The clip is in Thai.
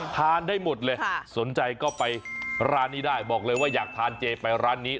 ทานได้หมดเลยสนใจก็ไปร้านนี้ได้บอกเลยว่าอยากทานเจไปร้านนี้